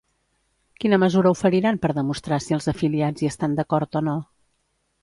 Quina mesura oferiran per demostrar si els afiliats hi estan d'acord o no?